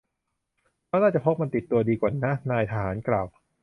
เราน่าจะพกมันติดตัวดีกว่านะ นายทหารกล่าว